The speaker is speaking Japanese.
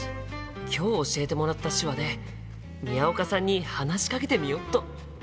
今日教えてもらった手話で宮岡さんに話しかけてみよっと！